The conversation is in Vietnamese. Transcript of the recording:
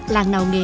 làng nào nghề đấy